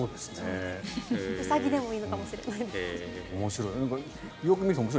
ウサギでもいいのかもしれないです。